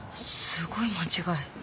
すごい間違え。